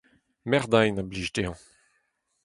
Merdeiñ a blij dezhañ.